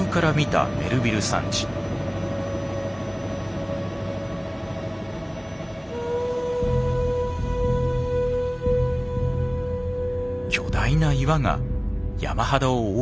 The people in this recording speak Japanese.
巨大な岩が山肌を覆い尽くしています。